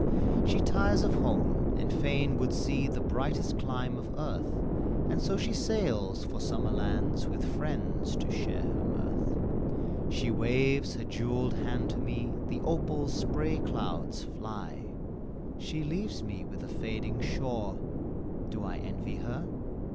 She tires of home, and fain would see The brightest clime of earth, And so she sails for summer lands With friends to share her mirth; She waves her jewelled hand to me The opal spray clouds fly; She leaves me with the fading shore Do I envy her?